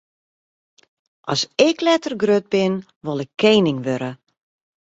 As ik letter grut bin, wol ik kening wurde.